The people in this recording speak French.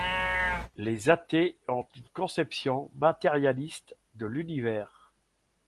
Les athées ont une conception matérialiste de l'univers.